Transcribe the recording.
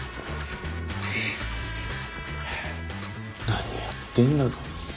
何やってんだか。